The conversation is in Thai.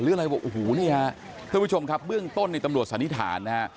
ทุกผู้ชมครับเรื่องต้นในตำรวจสันนิษฐาน